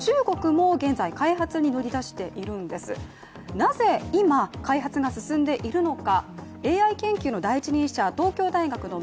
なぜ今、開発が進んでいるのか。